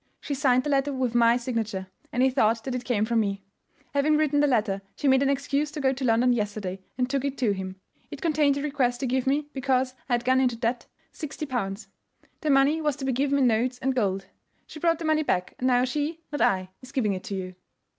She signed the letter with my signature, and he thought that it came from me. Having written the letter, she made an excuse to go to London yesterday, and took it to him. It contained a request to give me, because I had gone into debt, sixty pounds. The money was to be given in notes and gold. She brought the money back, and now she, not I, is giving it to you."